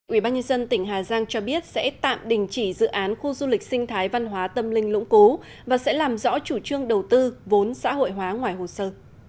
ubnd tỉnh hà giang cho biết sẽ tạm đình chỉ dự án khu du lịch sinh thái văn hóa tâm linh lũng cú và sẽ làm rõ chủ trương đầu tư vốn xã hội hóa ngoài hồ sơ